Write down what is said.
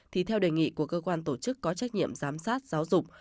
thì theo đề nghị của cơ quan tổ chức có trách nhiệm giám sát giáo dục